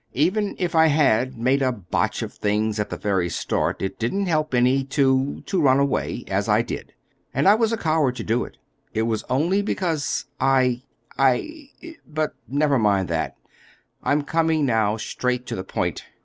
Even if I had—made a botch of things at the very start, it didn't help any to—to run away, as I did. And I was a coward to do it. It was only because I—I—But never mind that. I'm coming now straight to the point.